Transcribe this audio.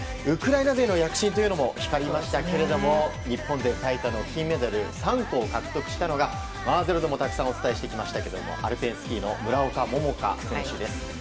ウクライナ勢の躍進というのも光りましたけど日本で最多の金メダル３個を獲得したのが「ｚｅｒｏ」でも、たくさんお伝えしてきましたけれどもアルペンスキーの村岡桃佳選手。